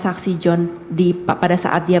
saksi john pada saat dia